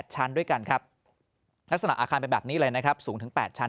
ชั้นด้วยกันครับลักษณะอาคารเป็นแบบนี้เลยนะครับสูงถึง๘ชั้น